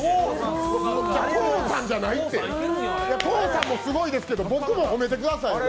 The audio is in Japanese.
ＫＯＯさんもすごいですけど僕も褒めてくださいよ。